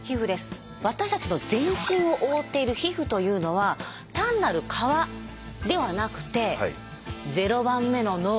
私たちの全身を覆っている皮膚というのは単なる「皮」ではなくて「０番目の脳」。